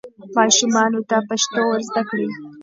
ماشومانو ته پښتو ور زده کړئ.